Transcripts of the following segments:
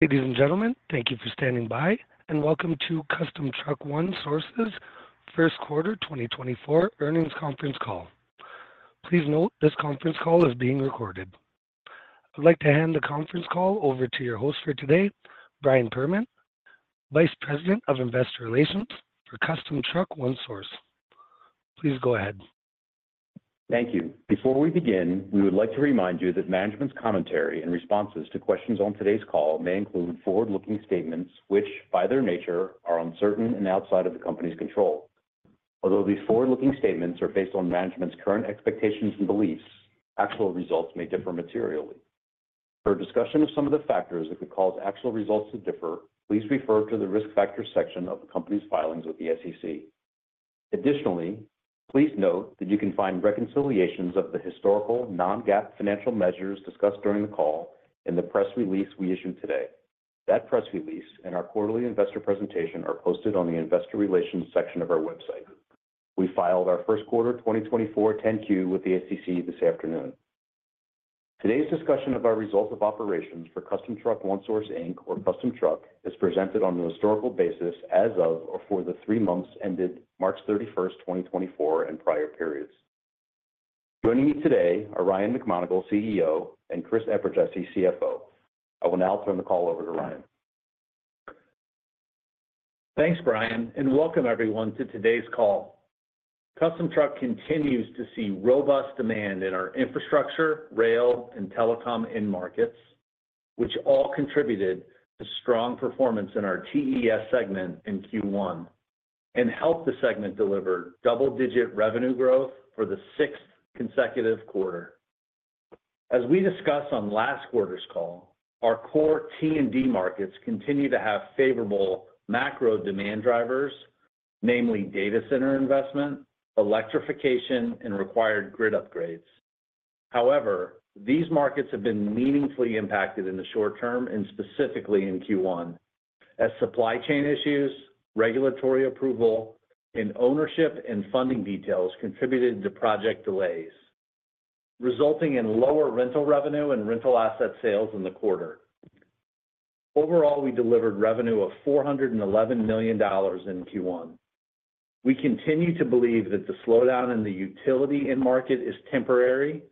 Ladies and gentlemen, thank you for standing by, and welcome to Custom Truck One Source's first quarter 2024 earnings conference call. Please note, this conference call is being recorded. I'd like to hand the conference call over to your host for today, Brian Perman, Vice President of Investor Relations for Custom Truck One Source. Please go ahead. Thank you. Before we begin, we would like to remind you that management's commentary and responses to questions on today's call may include forward-looking statements, which, by their nature, are uncertain and outside of the company's control. Although these forward-looking statements are based on management's current expectations and beliefs, actual results may differ materially. For a discussion of some of the factors that could cause actual results to differ, please refer to the Risk Factors section of the company's filings with the SEC. Additionally, please note that you can find reconciliations of the historical non-GAAP financial measures discussed during the call in the press release we issued today. That press release and our quarterly investor presentation are posted on the Investor Relations section of our website. We filed our first quarter 2024 10-Q with the SEC this afternoon. Today's discussion of our results of operations for Custom Truck One Source Inc, or Custom Truck, is presented on the historical basis as of or for the three months ended March 31, 2024, and prior periods. Joining me today are Ryan McMonagle, CEO, and Chris Eperjesy, CFO. I will now turn the call over to Ryan. Thanks, Brian, and welcome everyone to today's call. Custom Truck continues to see robust demand in our infrastructure, rail, and telecom end markets, which all contributed to strong performance in our TES segment in Q1, and helped the segment deliver double-digit revenue growth for the sixth consecutive quarter. As we discussed on last quarter's call, our core T&D markets continue to have favorable macro demand drivers, namely data center investment, electrification, and required grid upgrades. However, these markets have been meaningfully impacted in the short term and specifically in Q1, as supply chain issues, regulatory approval, and ownership and funding details contributed to project delays, resulting in lower rental revenue and rental asset sales in the quarter. Overall, we delivered revenue of $411 million in Q1. We continue to believe that the slowdown in the utility end market is temporary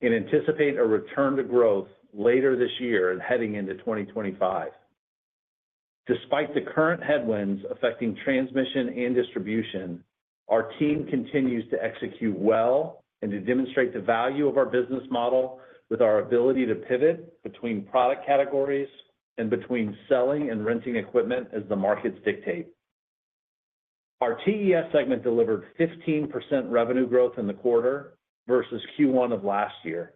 and anticipate a return to growth later this year and heading into 2025. Despite the current headwinds affecting transmission and distribution, our team continues to execute well and to demonstrate the value of our business model with our ability to pivot between product categories and between selling and renting equipment as the markets dictate. Our TES segment delivered 15% revenue growth in the quarter versus Q1 of last year,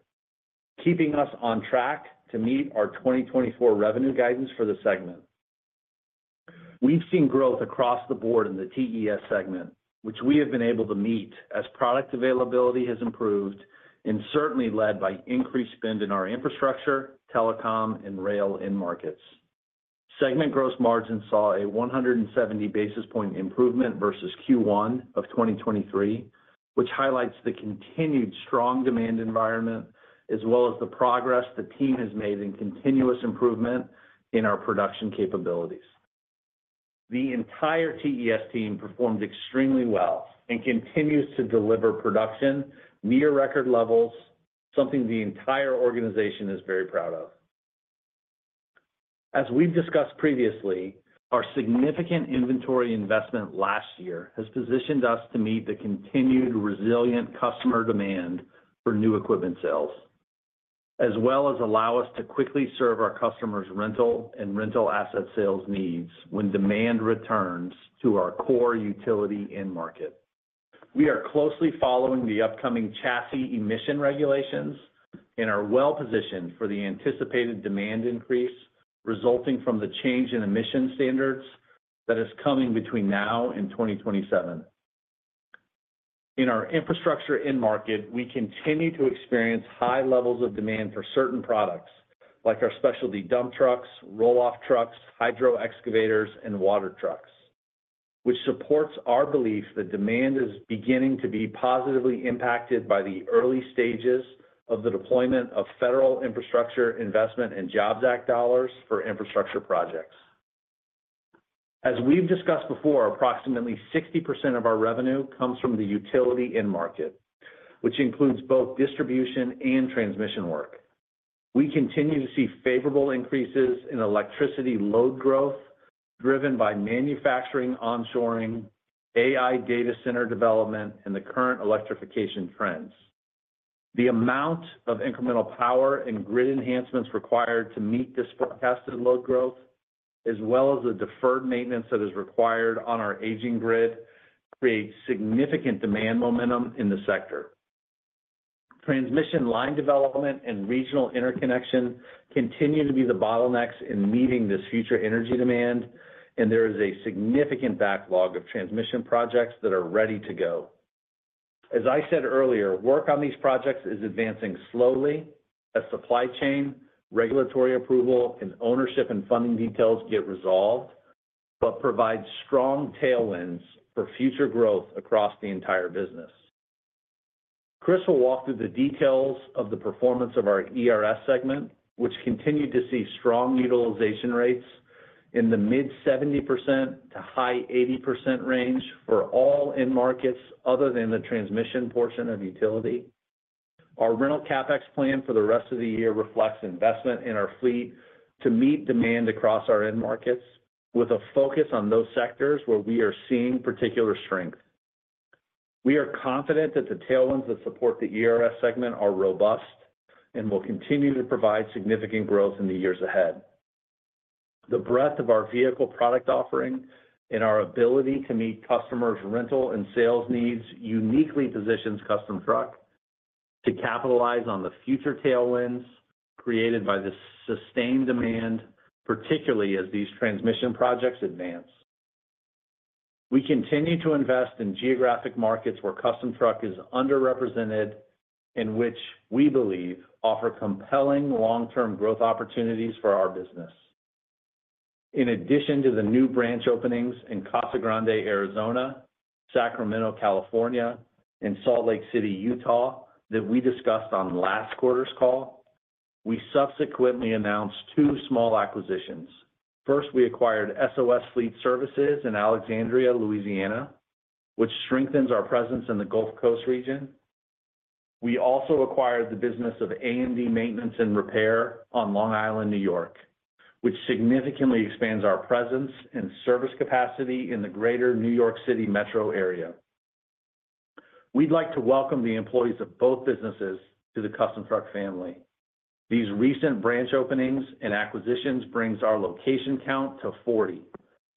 keeping us on track to meet our 2024 revenue guidance for the segment. We've seen growth across the board in the TES segment, which we have been able to meet as product availability has improved and certainly led by increased spend in our infrastructure, telecom, and rail end markets. Segment gross margin saw a 170 basis point improvement versus Q1 of 2023, which highlights the continued strong demand environment, as well as the progress the team has made in continuous improvement in our production capabilities. The entire TES team performed extremely well and continues to deliver production near record levels, something the entire organization is very proud of. As we've discussed previously, our significant inventory investment last year has positioned us to meet the continued resilient customer demand for new equipment sales, as well as allow us to quickly serve our customers' rental and rental asset sales needs when demand returns to our core utility end market. We are closely following the upcoming chassis emission regulations and are well positioned for the anticipated demand increase resulting from the change in emission standards that is coming between now and 2027. In our infrastructure end market, we continue to experience high levels of demand for certain products, like our specialty dump trucks, roll-off trucks, hydro excavators, and water trucks, which supports our belief that demand is beginning to be positively impacted by the early stages of the deployment of federal Infrastructure Investment and Jobs Act dollars for infrastructure projects. As we've discussed before, approximately 60% of our revenue comes from the utility end market, which includes both distribution and transmission work. We continue to see favorable increases in electricity load growth, driven by manufacturing onshoring, AI data center development, and the current electrification trends. The amount of incremental power and grid enhancements required to meet this forecasted load growth, as well as the deferred maintenance that is required on our aging grid, creates significant demand momentum in the sector. Transmission line development and regional interconnection continue to be the bottlenecks in meeting this future energy demand, and there is a significant backlog of transmission projects that are ready to go. As I said earlier, work on these projects is advancing slowly as supply chain, regulatory approval, and ownership and funding details get resolved, but provides strong tailwinds for future growth across the entire business... Chris will walk through the details of the performance of our ERS segment, which continued to see strong utilization rates in the mid-70% to high-80% range for all end markets other than the transmission portion of utility. Our rental CapEx plan for the rest of the year reflects investment in our fleet to meet demand across our end markets, with a focus on those sectors where we are seeing particular strength. We are confident that the tailwinds that support the ERS segment are robust and will continue to provide significant growth in the years ahead. The breadth of our vehicle product offering and our ability to meet customers' rental and sales needs uniquely positions Custom Truck to capitalize on the future tailwinds created by this sustained demand, particularly as these transmission projects advance. We continue to invest in geographic markets where Custom Truck is underrepresented and which we believe offer compelling long-term growth opportunities for our business. In addition to the new branch openings in Casa Grande, Arizona, Sacramento, California, and Salt Lake City, Utah, that we discussed on last quarter's call, we subsequently announced two small acquisitions. First, we acquired SOS Fleet Services in Alexandria, Louisiana, which strengthens our presence in the Gulf Coast region. We also acquired the business of A&D Maintenance and Repair on Long Island, New York, which significantly expands our presence and service capacity in the greater New York City metro area. We'd like to welcome the employees of both businesses to the Custom Truck family. These recent branch openings and acquisitions brings our location count to 40,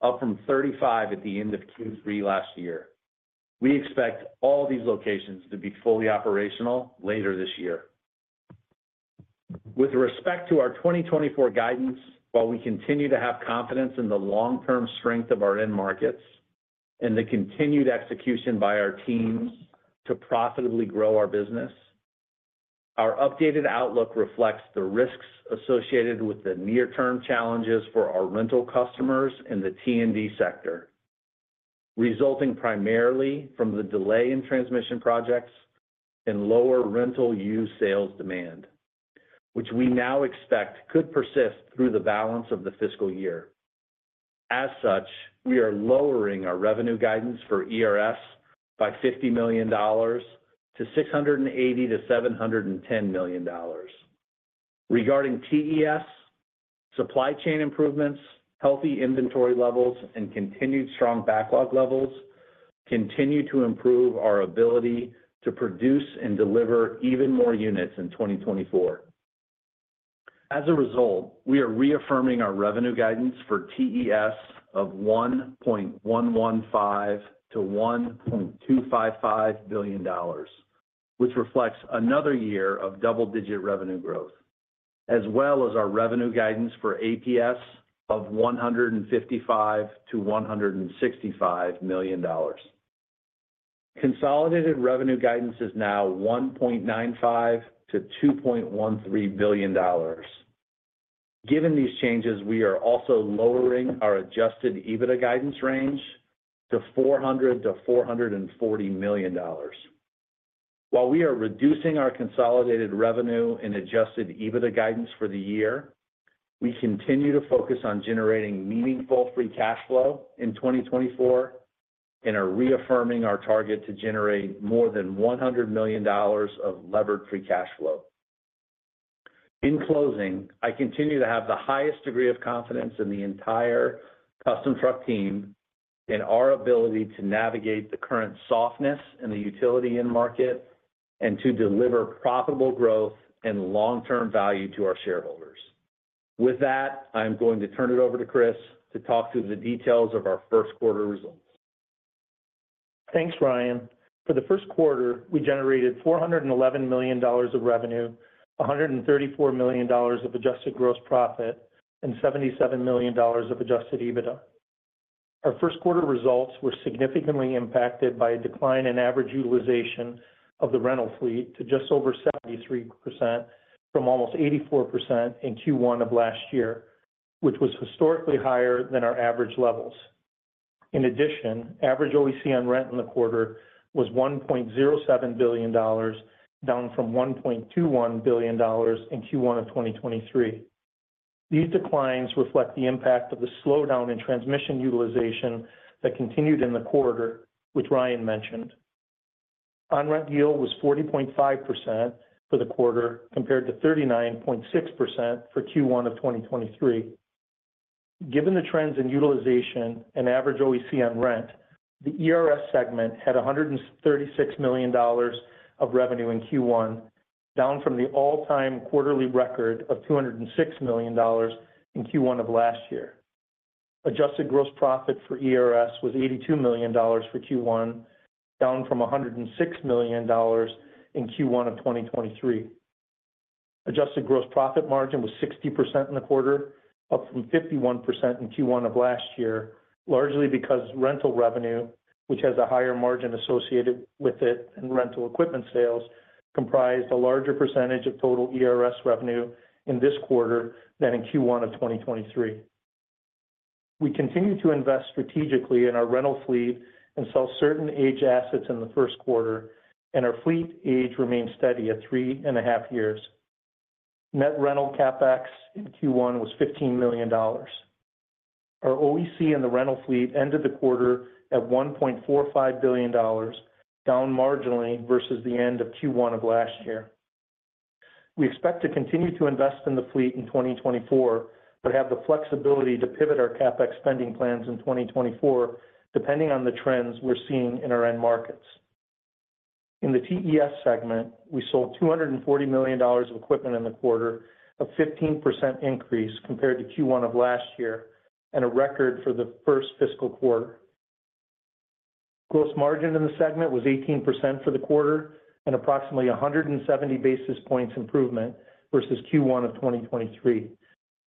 up from 35 at the end of Q3 last year. We expect all these locations to be fully operational later this year. With respect to our 2024 guidance, while we continue to have confidence in the long-term strength of our end markets and the continued execution by our teams to profitably grow our business, our updated outlook reflects the risks associated with the near-term challenges for our rental customers in the T&D sector, resulting primarily from the delay in transmission projects and lower rental used sales demand, which we now expect could persist through the balance of the fiscal year. As such, we are lowering our revenue guidance for ERS by $50 million to $680 million-$710 million. Regarding TES, supply chain improvements, healthy inventory levels, and continued strong backlog levels continue to improve our ability to produce and deliver even more units in 2024. As a result, we are reaffirming our revenue guidance for TES of $1.115 billion-$1.255 billion, which reflects another year of double-digit revenue growth, as well as our revenue guidance for APS of $155 million-$165 million. Consolidated revenue guidance is now $1.95 billion-$2.13 billion. Given these changes, we are also lowering our adjusted EBITDA guidance range to $400 million-$440 million. While we are reducing our consolidated revenue and adjusted EBITDA guidance for the year, we continue to focus on generating meaningful free cash flow in 2024 and are reaffirming our target to generate more than $100 million of levered free cash flow. In closing, I continue to have the highest degree of confidence in the entire Custom Truck team and our ability to navigate the current softness in the utility end market and to deliver profitable growth and long-term value to our shareholders. With that, I'm going to turn it over to Chris to talk through the details of our first quarter results. Thanks, Ryan. For the first quarter, we generated $411 million of revenue, $134 million of adjusted gross profit, and $77 million of Adjusted EBITDA. Our first quarter results were significantly impacted by a decline in average utilization of the rental fleet to just over 73%, from almost 84% in Q1 of last year, which was historically higher than our average levels. In addition, average OEC on rent in the quarter was $1.07 billion, down from $1.21 billion in Q1 of 2023. These declines reflect the impact of the slowdown in transmission utilization that continued in the quarter, which Ryan mentioned. On-rent utilization was 40.5% for the quarter, compared to 39.6% for Q1 of 2023. Given the trends in utilization and average OEC on rent, the ERS segment had $136 million of revenue in Q1, down from the all-time quarterly record of $206 million in Q1 of last year. Adjusted gross profit for ERS was $82 million for Q1, down from $106 million in Q1 of 2023. Adjusted gross profit margin was 60% in the quarter, up from 51% in Q1 of last year, largely because rental revenue, which has a higher margin associated with it than rental equipment sales, comprised a larger percentage of total ERS revenue in this quarter than in Q1 of 2023. We continue to invest strategically in our rental fleet and sell certain aged assets in the first quarter, and our fleet age remains steady at 3.5 years. Net rental CapEx in Q1 was $15 million. Our OEC in the rental fleet ended the quarter at $1.45 billion, down marginally versus the end of Q1 of last year. We expect to continue to invest in the fleet in 2024, but have the flexibility to pivot our CapEx spending plans in 2024, depending on the trends we're seeing in our end markets. In the TES segment, we sold $240 million of equipment in the quarter, a 15% increase compared to Q1 of last year, and a record for the first fiscal quarter. Gross margin in the segment was 18% for the quarter and approximately 170 basis points improvement versus Q1 of 2023,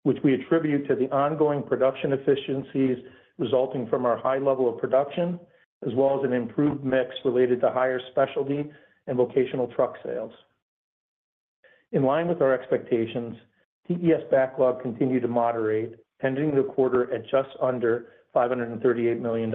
which we attribute to the ongoing production efficiencies resulting from our high level of production, as well as an improved mix related to higher specialty and vocational truck sales. In line with our expectations, TES backlog continued to moderate, ending the quarter at just under $538 million.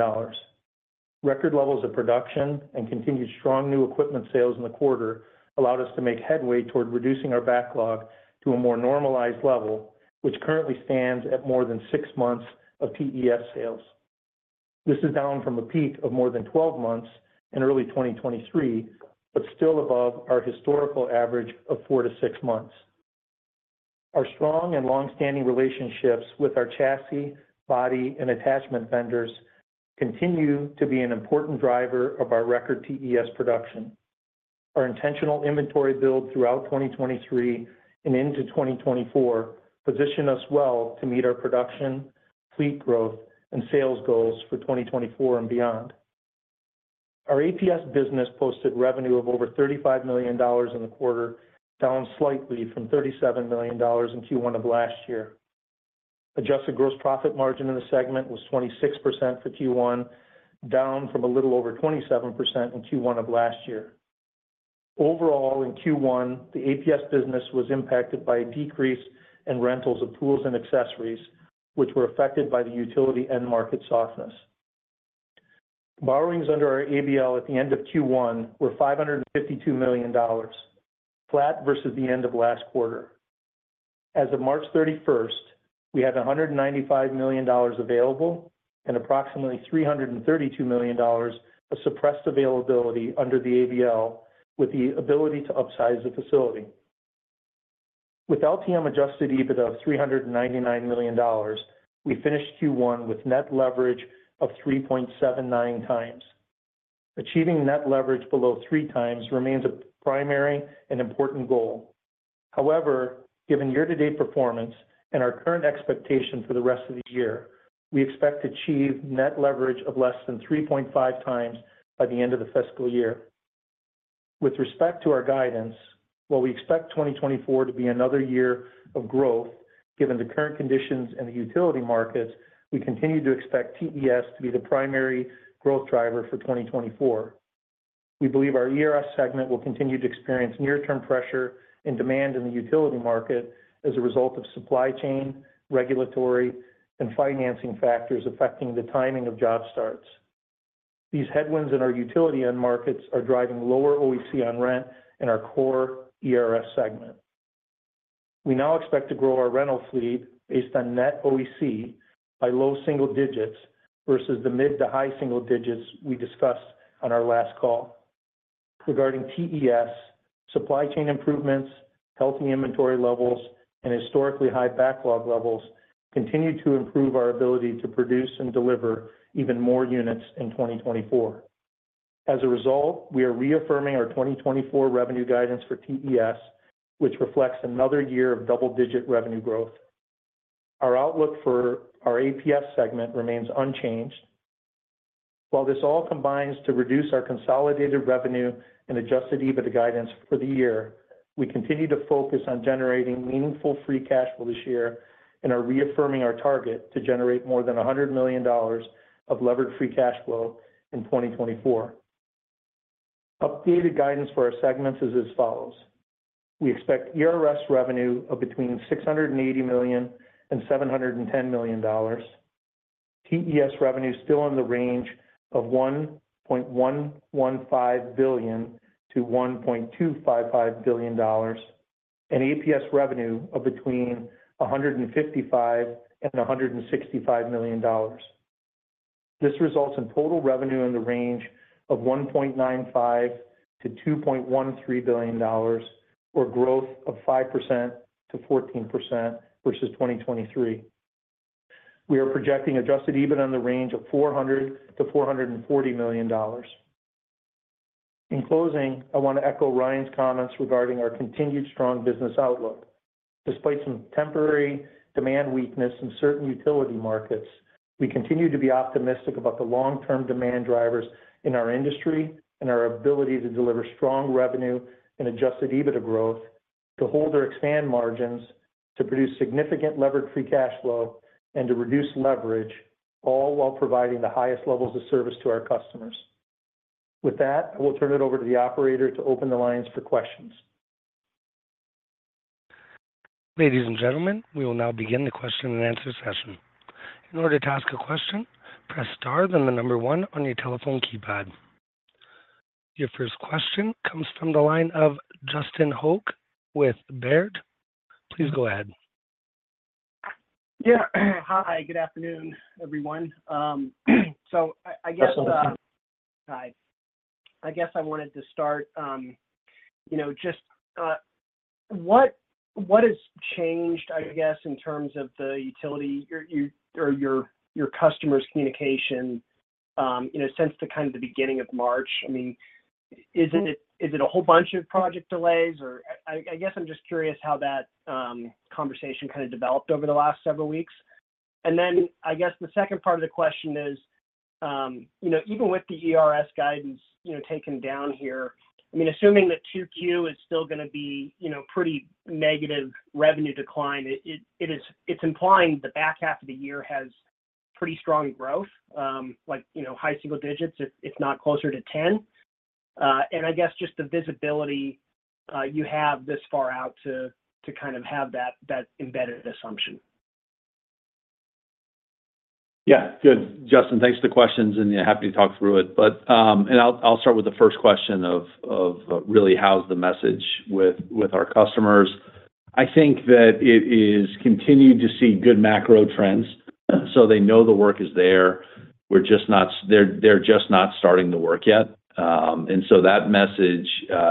Record levels of production and continued strong new equipment sales in the quarter allowed us to make headway toward reducing our backlog to a more normalized level, which currently stands at more than six months of TES sales. This is down from a peak of more than 12 months in early 2023, but still above our historical average of four to six months. Our strong and long-standing relationships with our chassis, body, and attachment vendors continue to be an important driver of our record TES production. Our intentional inventory build throughout 2023 and into 2024 position us well to meet our production, fleet growth, and sales goals for 2024 and beyond. Our APS business posted revenue of over $35 million in the quarter, down slightly from $37 million in Q1 of last year. Adjusted gross profit margin in the segment was 26% for Q1, down from a little over 27% in Q1 of last year. Overall, in Q1, the APS business was impacted by a decrease in rentals of tools and accessories, which were affected by the utility end market softness. Borrowings under our ABL at the end of Q1 were $552 million, flat versus the end of last quarter. As of March 31st, we had $195 million available and approximately $332 million of suppressed availability under the ABL, with the ability to upsize the facility. With LTM Adjusted EBITDA of $399 million, we finished Q1 with net leverage of 3.79x. Achieving net leverage below 3x remains a primary and important goal. However, given year-to-date performance and our current expectation for the rest of the year, we expect to achieve net leverage of less than 3.5x by the end of the fiscal year. With respect to our guidance, while we expect 2024 to be another year of growth, given the current conditions in the utility markets, we continue to expect TES to be the primary growth driver for 2024. We believe our ERS segment will continue to experience near-term pressure and demand in the utility market as a result of supply chain, regulatory, and financing factors affecting the timing of job starts. These headwinds in our utility end markets are driving lower OEC on rent in our core ERS segment. We now expect to grow our rental fleet based on net OEC by low single digits versus the mid to high single digits we discussed on our last call. Regarding TES, supply chain improvements, healthy inventory levels, and historically high backlog levels continue to improve our ability to produce and deliver even more units in 2024. As a result, we are reaffirming our 2024 revenue guidance for TES, which reflects another year of double-digit revenue growth. Our outlook for our APS segment remains unchanged. While this all combines to reduce our consolidated revenue and Adjusted EBITDA guidance for the year, we continue to focus on generating meaningful free cash flow this year and are reaffirming our target to generate more than $100 million of Levered Free Cash Flow in 2024. Updated guidance for our segments is as follows: We expect ERS revenue of between $680 million and $710 million, TES revenue still in the range of $1.115 billion-$1.255 billion, and APS revenue of between $155 million and $165 million. This results in total revenue in the range of $1.95 billion-$2.13 billion, or growth of 5%-14% versus 2023. We are projecting Adjusted EBITDA in the range of $400 million-$440 million. In closing, I want to echo Ryan's comments regarding our continued strong business outlook. Despite some temporary demand weakness in certain utility markets, we continue to be optimistic about the long-term demand drivers in our industry and our ability to deliver strong revenue and Adjusted EBITDA growth, to hold or expand margins, to produce significant Levered Free Cash Flow, and to reduce leverage, all while providing the highest levels of service to our customers. With that, I will turn it over to the operator to open the lines for questions.... Ladies and gentlemen, we will now begin the question and answer session. In order to ask a question, press star, then the number one on your telephone keypad. Your first question comes from the line of Justin Hauke with Baird. Please go ahead. Yeah. Hi, good afternoon, everyone. So I guess, Hello. Hi. I guess I wanted to start, you know, just what has changed, I guess, in terms of the utility, your or your customers' communication, you know, since the kind of the beginning of March? I mean, is it a whole bunch of project delays or... I guess I'm just curious how that conversation kind of developed over the last several weeks. And then I guess the second part of the question is, you know, even with the ERS guidance, you know, taken down here, I mean, assuming that 2Q is still gonna be, you know, pretty negative revenue decline, it is- it's implying the back half of the year has pretty strong growth, like, you know, high single digits, if not closer to 10. I guess just the visibility you have this far out to kind of have that embedded assumption. Yeah. Good. Justin, thanks for the questions, and, yeah, happy to talk through it. But, and I'll start with the first question of really how's the message with our customers. I think that it is continuing to see good macro trends, so they know the work is there, we're just not-- they're just not starting the work yet. And so that message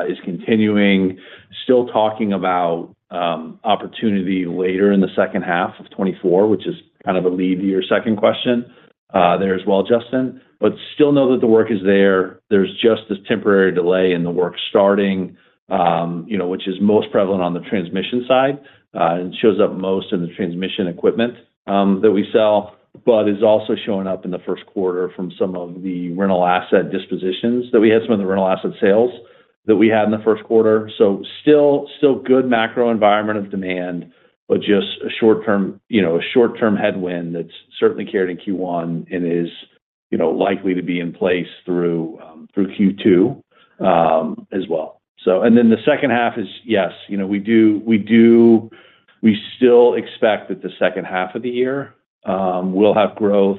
is continuing, still talking about opportunity later in the second half of 2024, which is kind of a lead to your second question there as well, Justin. But still know that the work is there. There's just this temporary delay in the work starting, you know, which is most prevalent on the transmission side. It shows up most in the transmission equipment that we sell, but is also showing up in the first quarter from some of the rental asset dispositions that we had, some of the rental asset sales that we had in the first quarter. So still, still good macro environment of demand, but just a short-term, you know, a short-term headwind that's certainly carried in Q1 and is, you know, likely to be in place through through Q2 as well. So, and then the second half is, yes, you know, we do, we do-- we still expect that the second half of the year will have growth.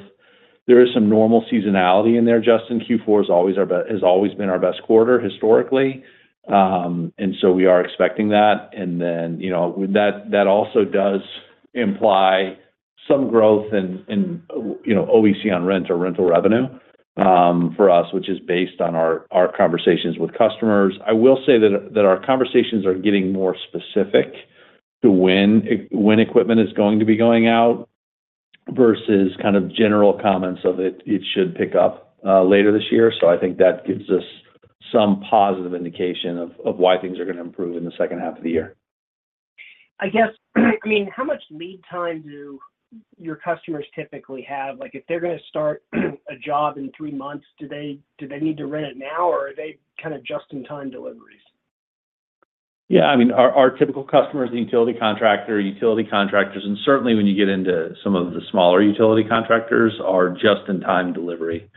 There is some normal seasonality in there, Justin. Q4 is always our has always been our best quarter historically. And so we are expecting that. And then, you know, that also does imply some growth in, you know, OEC on rent or rental revenue, for us, which is based on our conversations with customers. I will say that our conversations are getting more specific to when equipment is going to be going out versus kind of general comments of it should pick up later this year. So I think that gives us some positive indication of why things are gonna improve in the second half of the year. I guess, I mean, how much lead time do your customers typically have? Like, if they're gonna start a job in three months, do they need to rent it now, or are they kind of just-in-time deliveries? Yeah, I mean, our typical customers, the utility contractor, utility contractors, and certainly when you get into some of the smaller utility contractors, are just-in-time delivery.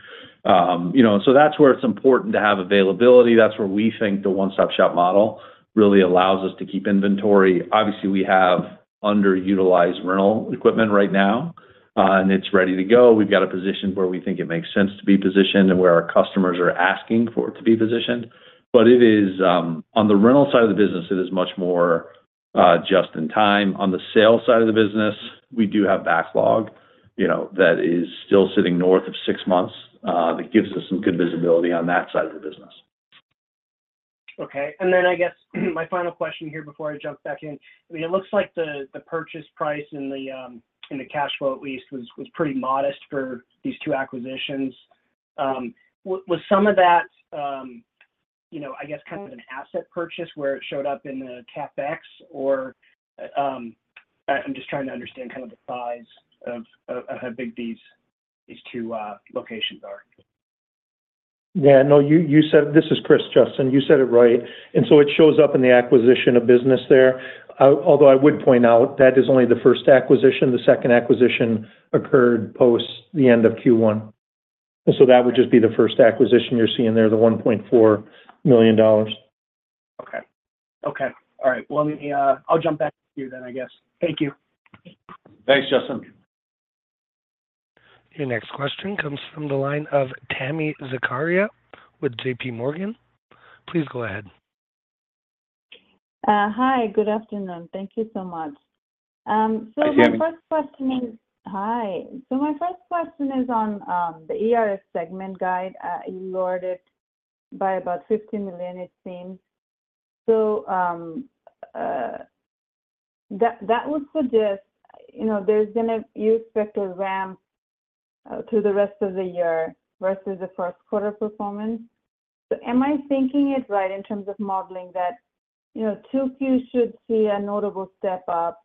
You know, so that's where it's important to have availability. That's where we think the one-stop-shop model really allows us to keep inventory. Obviously, we have underutilized rental equipment right now, and it's ready to go. We've got it positioned where we think it makes sense to be positioned and where our customers are asking for it to be positioned. But it is, on the rental side of the business, it is much more, just in time. On the sales side of the business, we do have backlog, you know, that is still sitting north of six months, that gives us some good visibility on that side of the business. Okay. And then I guess, my final question here before I jump back in. I mean, it looks like the purchase price and the cash flow at least was pretty modest for these two acquisitions. Was some of that, you know, I guess kind of an asset purchase where it showed up in the CapEx or... I'm just trying to understand kind of the size of how big these two locations are. Yeah. No, you, you said. This is Chris, Justin. You said it right. And so it shows up in the acquisition of business there. Although I would point out, that is only the first acquisition. The second acquisition occurred post the end of Q1. And so that would just be the first acquisition you're seeing there, the $1.4 million. Okay. Okay. All right. Well, let me... I'll jump back to you then, I guess. Thank you. Thanks, Justin. Your next question comes from the line of Tami Zakaria with J.P. Morgan. Please go ahead. Hi, good afternoon. Thank you so much. Hi, Tami. Hi. So my first question is on the ERS segment guide. You lowered it by about $50 million, it seems. So that would suggest, you know, there's gonna be expected ramp through the rest of the year versus the first quarter performance. So am I thinking it right in terms of modeling that, you know, 2Q should see a notable step up,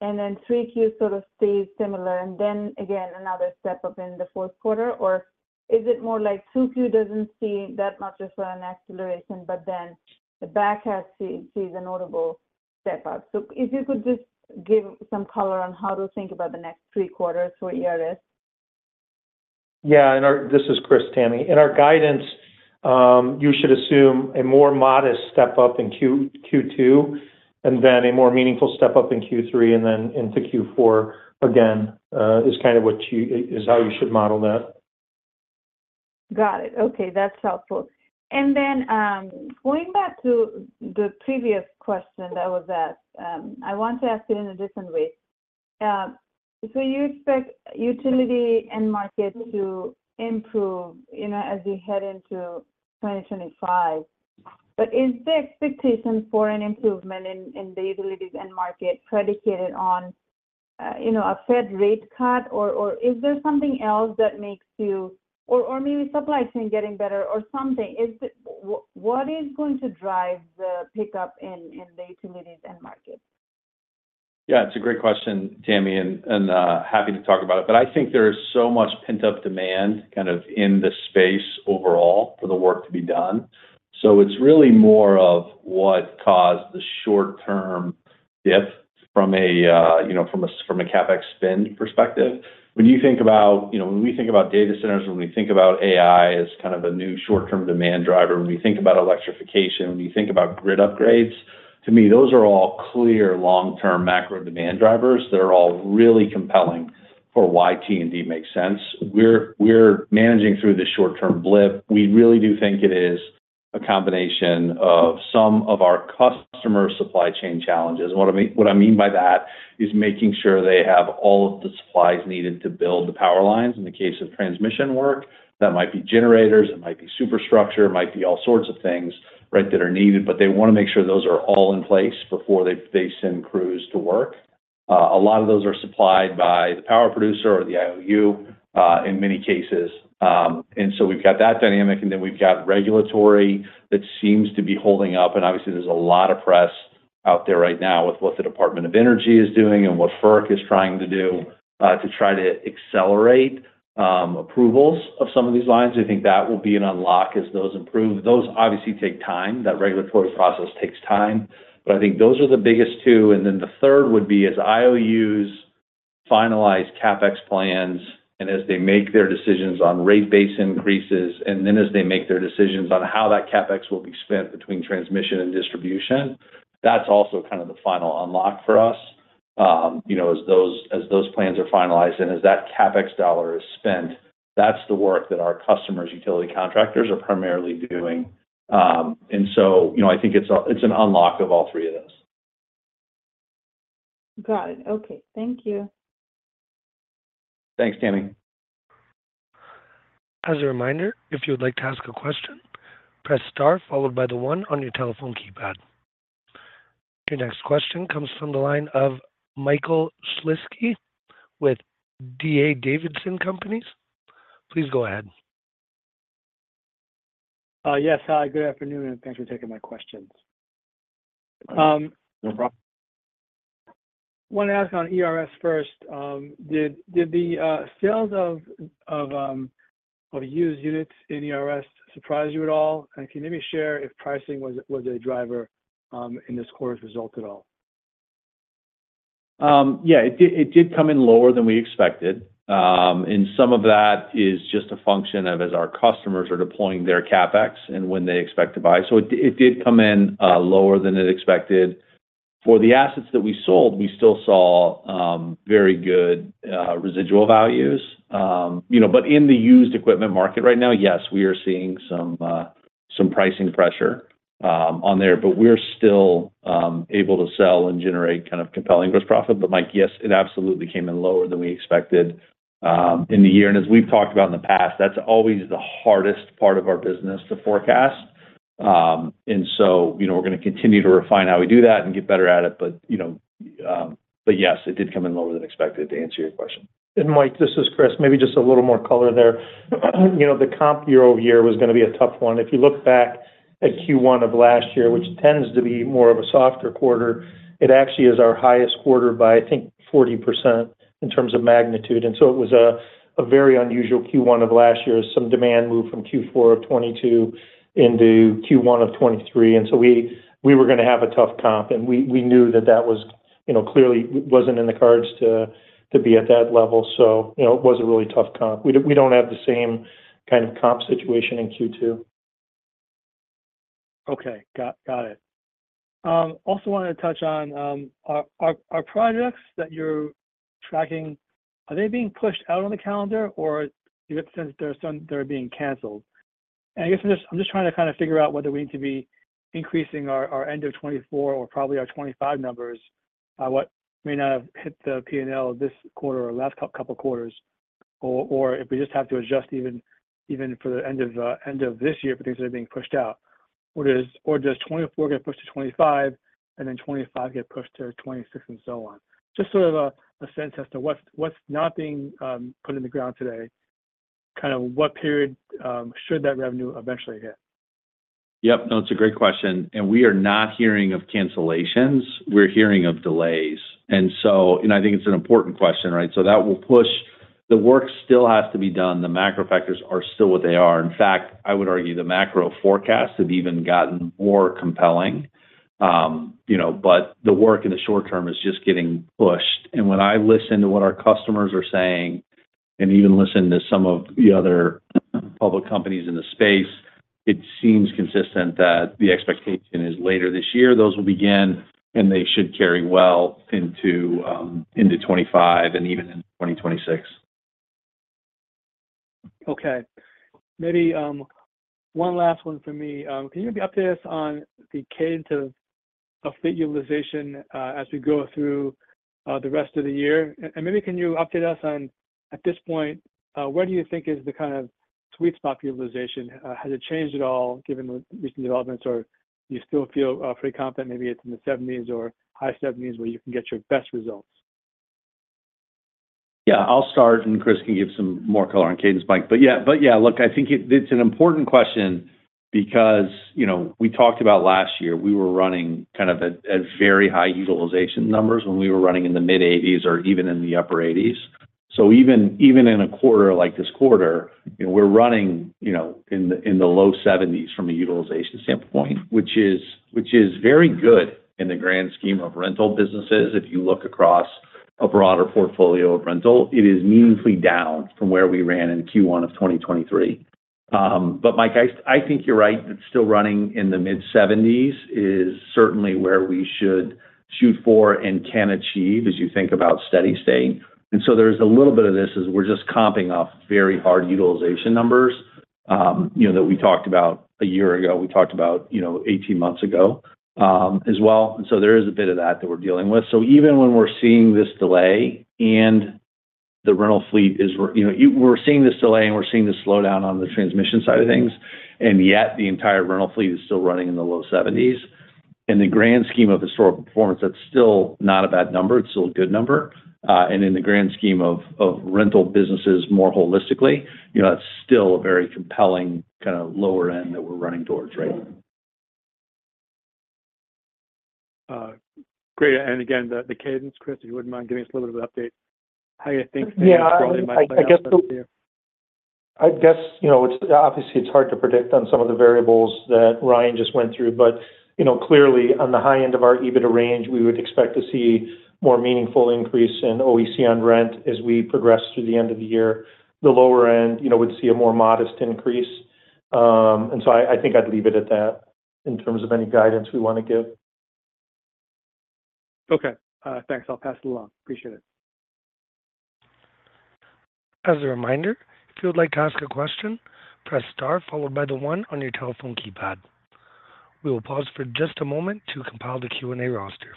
and then 3Q sort of stays similar, and then again, another step up in the fourth quarter? Or is it more like 2Q doesn't see that much of an acceleration, but then the back half sees a notable step up? So if you could just give some color on how to think about the next three quarters for ERS.... Yeah, and this is Chris, Tami. In our guidance, you should assume a more modest step up in Q2, and then a more meaningful step up in Q3, and then into Q4. Again, is kind of how you should model that. Got it. Okay, that's helpful. And then, going back to the previous question that was asked, I want to ask it in a different way. So you expect utility end market to improve, you know, as we head into 2025. But is the expectation for an improvement in the utilities end market predicated on a Fed rate cut? Or is there something else that makes you... Or maybe supply chain getting better or something? What is going to drive the pickup in the utilities end market? Yeah, it's a great question, Tami, and happy to talk about it. But I think there is so much pent-up demand kind of in this space overall for the work to be done. So it's really more of what caused the short-term dip from a, you know, from a CapEx spend perspective. When you think about... You know, when we think about data centers, when we think about AI as kind of a new short-term demand driver, when we think about electrification, when we think about grid upgrades, to me, those are all clear long-term macro demand drivers that are all really compelling for why T&D makes sense. We're managing through the short-term blip. We really do think it is a combination of some of our customer supply chain challenges. What I mean, what I mean by that is making sure they have all of the supplies needed to build the power lines. In the case of transmission work, that might be generators, it might be superstructure, it might be all sorts of things, right, that are needed, but they wanna make sure those are all in place before they send crews to work. A lot of those are supplied by the power producer or the IOU, in many cases. And so we've got that dynamic, and then we've got regulatory that seems to be holding up. And obviously, there's a lot of press out there right now with what the Department of Energy is doing and what FERC is trying to do, to try to accelerate approvals of some of these lines. We think that will be an unlock as those improve. Those obviously take time. That regulatory process takes time, but I think those are the biggest two. And then the third would be, as IOUs finalize CapEx plans, and as they make their decisions on rate-based increases, and then as they make their decisions on how that CapEx will be spent between transmission and distribution, that's also kind of the final unlock for us. You know, as those, as those plans are finalized and as that CapEx dollar is spent, that's the work that our customers, utility contractors, are primarily doing. And so, you know, I think it's, it's an unlock of all three of those. Got it. Okay. Thank you. Thanks, Tami. As a reminder, if you would like to ask a question, press star followed by the one on your telephone keypad. Your next question comes from the line of Michael Shlisky with D.A. Davidson Companies. Please go ahead. Yes. Hi, good afternoon, and thanks for taking my questions. No problem. Wanna ask on ERS first. Did the sales of used units in ERS surprise you at all? And can you maybe share if pricing was a driver in this quarter's result at all? Yeah, it did, it did come in lower than we expected. And some of that is just a function of as our customers are deploying their CapEx and when they expect to buy. So it did, it did come in lower than expected. For the assets that we sold, we still saw very good residual values. You know, but in the used equipment market right now, yes, we are seeing some pricing pressure on there, but we're still able to sell and generate kind of compelling gross profit. But, Mike, yes, it absolutely came in lower than we expected in the year. And as we've talked about in the past, that's always the hardest part of our business to forecast. And so, you know, we're gonna continue to refine how we do that and get better at it, but, you know, but yes, it did come in lower than expected, to answer your question. Mike, this is Chris. Maybe just a little more color there. You know, the comp year-over-year was gonna be a tough one. If you look back at Q1 of last year, which tends to be more of a softer quarter, it actually is our highest quarter by, I think, 40% in terms of magnitude. And so it was a very unusual Q1 of last year. Some demand moved from Q4 of 2022 into Q1 of 2023, and so we were gonna have a tough comp, and we knew that that was, you know, clearly wasn't in the cards to be at that level. So you know, it was a really tough comp. We don't have the same kind of comp situation in Q2. Okay. Got it. Also wanted to touch on, are projects that you're tracking, are they being pushed out on the calendar, or do you get the sense that they're being canceled? And I guess I'm just trying to kind of figure out whether we need to be increasing our end of 2024 or probably our 2025 numbers, what may not have hit the P&L this quarter or last couple quarters, or if we just have to adjust even for the end of this year, because they're being pushed out. Or does 2024 get pushed to 2025, and then 2025 get pushed to 2026, and so on? Just sort of a sense as to what's not being put in the ground today, kind of what period should that revenue eventually hit? Yep. No, it's a great question, and we are not hearing of cancellations, we're hearing of delays. And so, and I think it's an important question, right? So that will push. The work still has to be done. The macro factors are still what they are. In fact, I would argue the macro forecasts have even gotten more compelling, you know, but the work in the short term is just getting pushed. And when I listen to what our customers are saying, and even listen to some of the other public companies in the space, it seems consistent that the expectation is later this year, those will begin, and they should carry well into 2025 and even in 2026. Okay. Maybe one last one for me. Can you maybe update us on the cadence of fleet utilization as we go through the rest of the year? And maybe can you update us on, at this point, where do you think is the kind of sweet spot utilization? Has it changed at all, given the recent developments, or do you still feel pretty confident maybe it's in the seventies or high seventies, where you can get your best results? Yeah, I'll start, and Chris can give some more color on cadence, Mike. But yeah, but yeah, look, I think it, it's an important question because, you know, we talked about last year, we were running kind of at, at very high utilization numbers when we were running in the mid-80s or even in the upper 80s. So even, even in a quarter like this quarter, you know, we're running, you know, in the, in the low 70s from a utilization standpoint, which is, which is very good in the grand scheme of rental businesses. If you look across a broader portfolio of rental, it is meaningfully down from where we ran in Q1 of 2023. But Mike, I, I think you're right, it's still running in the mid-70s, is certainly where we should shoot for and can achieve as you think about steady state. And so there's a little bit of this as we're just comping off very hard utilization numbers, you know, that we talked about a year ago. We talked about, you know, 18 months ago, as well. And so there is a bit of that that we're dealing with. So even when we're seeing this delay and the rental fleet, you know, we're seeing this delay, and we're seeing this slowdown on the transmission side of things, and yet the entire rental fleet is still running in the low 70s. In the grand scheme of historical performance, that's still not a bad number. It's still a good number. And in the grand scheme of rental businesses, more holistically, you know, that's still a very compelling kinda lower end that we're running towards, right? Great. And again, the cadence, Chris, if you wouldn't mind giving us a little bit of update, how you think- Yeah, I guess the-I guess, you know, it's obviously it's hard to predict on some of the variables that Ryan just went through, but, you know, clearly, on the high end of our EBITDA range, we would expect to see more meaningful increase in OEC on rent as we progress through the end of the year. The lower end, you know, would see a more modest increase. And so I think I'd leave it at that in terms of any guidance we wanna give. Okay, thanks. I'll pass it along. Appreciate it. As a reminder, if you would like to ask a question, press star, followed by the one on your telephone keypad. We will pause for just a moment to compile the Q&A roster.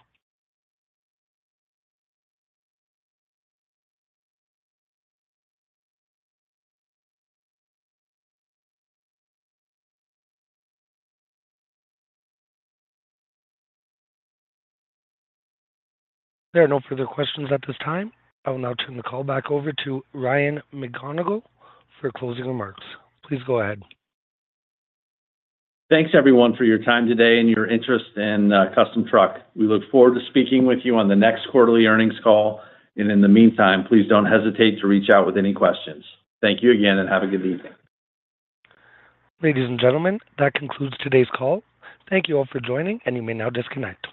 There are no further questions at this time. I will now turn the call back over to Ryan McMonagle for closing remarks. Please go ahead. Thanks, everyone, for your time today and your interest in Custom Truck. We look forward to speaking with you on the next quarterly earnings call, and in the meantime, please don't hesitate to reach out with any questions. Thank you again, and have a good evening. Ladies and gentlemen, that concludes today's call. Thank you all for joining, and you may now disconnect.